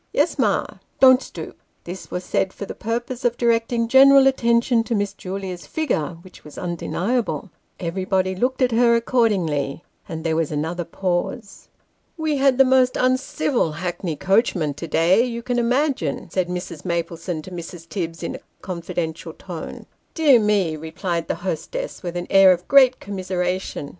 " Yes, ma." " Don't stoop." This was said for the purpose of directing general attention to Miss Julia's figure, which was undeniable. Everybody looked at her, accordingly, and there was another pause. "We had the most uncivil hackney coachman to day, you can imagine," said Mrs. Maplesone to Mrs. Tibbs, in a confidential tone. " Dear me !" replied the hostess, with an air of great commiseration.